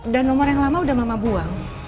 dan nomor yang lama udah mama buang